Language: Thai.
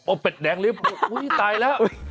โอ้เป็ดแดงริ้วผูอุ๊ยตายแล้ว